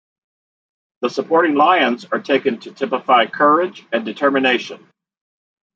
The supporting lions are taken to typify courage and determination.